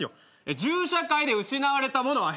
銃社会で失われたものは平和。